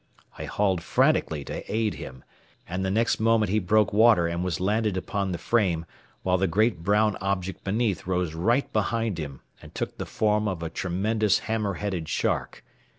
I hauled frantically to aid him, and the next moment he broke water and was landed upon the frame, while the great brown object beneath rose right behind him, and took the form of a tremendous hammer headed shark.